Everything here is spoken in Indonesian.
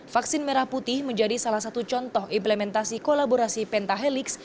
vaksin merah putih menjadi salah satu contoh implementasi kolaborasi pentahelix